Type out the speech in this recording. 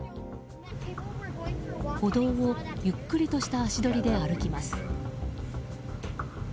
歩道をゆっくりとした足取りで歩きます。